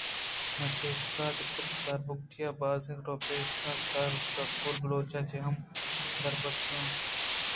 من چہ استاد ابدلستار بگٹی ءَ باز دربرتگ ءُ استاد گل بلوچ ءَ چہ ھم دربرتگ ءُ دربرگ ءَ آ